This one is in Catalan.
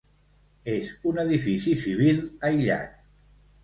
És un edifici civil, aïllat.